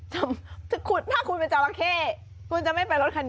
ถ้าคุณเป็นจราเข้คุณจะไม่ไปรถคันนี้